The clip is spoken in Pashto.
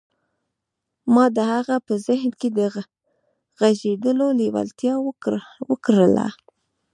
ما د هغه په ذهن کې د غږېدلو لېوالتیا وکرله